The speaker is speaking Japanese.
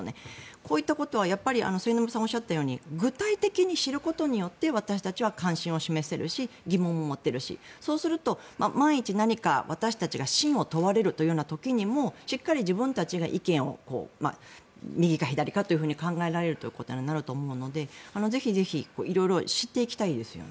こういったことは末延さんがおっしゃったように具体的に知ることによって私たちは関心を示せるし疑問も持てるしそうすると万一、何か私たちが信を問われるというような時にもしっかり自分たちが、意見を右か左かと考えられるということになると思うのでぜひ色々知っていきたいですよね。